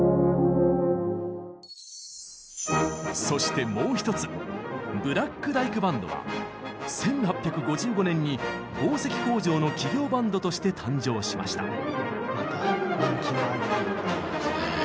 そしてもう一つブラック・ダイク・バンドは１８５５年に紡績工場の企業バンドとして誕生しました。